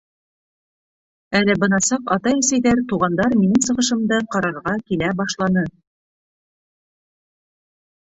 Әле бына саҡ атай-әсәйҙәр, туғандар минең сығышымды ҡарарға килә башланы.